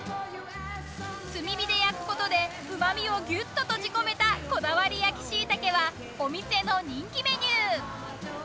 炭火で焼くことでうまみをギュッと閉じ込めたこだわり焼き椎茸はお店の人気メニュー。